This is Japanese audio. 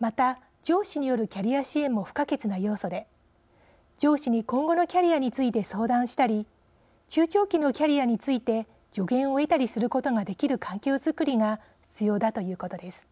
また、上司によるキャリア支援も不可欠な要素で上司に今後のキャリアについて相談したり中長期のキャリアについて助言を得たりすることができる環境づくりが必要だということです。